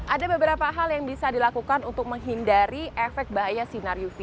ada beberapa hal yang bisa dilakukan untuk menghindari efek bahaya sinar uv